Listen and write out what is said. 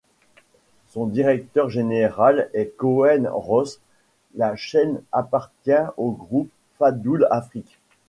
Son directeur général est Koen Ros, la chaîne appartient au groupe Fadoul Afrique.